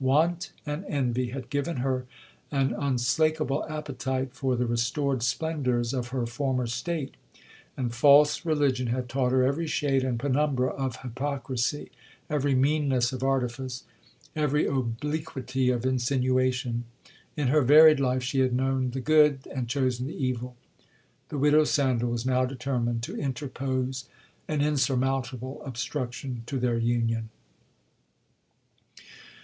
Want and envy had given her an unslakeable appetite for the restored splendours of her former state; and false religion had taught her every shade and penumbra of hypocrisy, every meanness of artifice, every obliquity of insinuation. In her varied life she had known the good, and chosen the evil. The widow Sandal was now determined to interpose an insurmountable obstruction to their union.